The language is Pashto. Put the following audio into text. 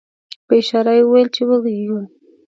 په اشاره یې وویل چې وږي یو.